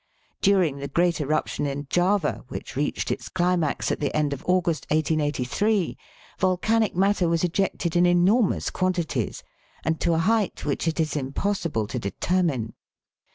During the great eruption in Java, which reached its climax at the end of August, 1883, volcanic matter was ejected in enormous quantities, and to a height which it is impossible to determine.